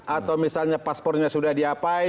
atau misalnya paspornya sudah diapain